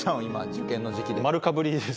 受験の時期で。